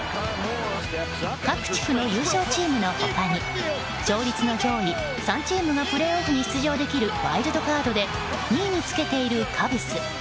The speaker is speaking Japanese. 各地区の優勝チームの他に勝率の上位３チームのプレーオフに出場できるワイルドカードで２位につけているカブス。